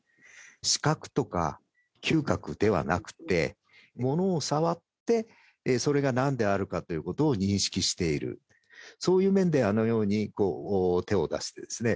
視覚とか嗅覚ではなくてものを触ってそれが何であるかということを認識しているそういう面であのようにこう手を出してですね